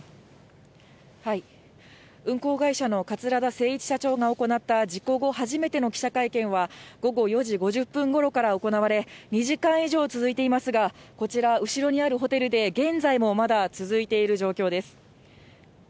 運航会社の桂田精一社長が行った事故後、初めての記者会見は、午後４時５０分ごろから行われ、２時間以上続いていますが、こちら、後ろにあるホテルで、現在もまだ続いている状況です。